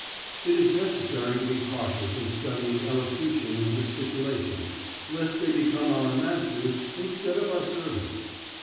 It is necessary to be cautious in studying elocution and gesticulation, lest they become our masters instead of our servants.